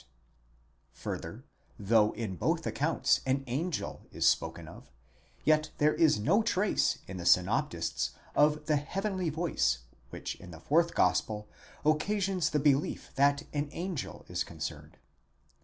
28) : further, though in both accounts an angel is spoken of, yet there is no trace in the synoptists of the heavenly voice which in the fourth gospel occa sions the belief that an angel is concerned.